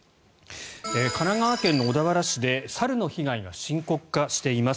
神奈川県の小田原市で猿の被害が深刻化しています。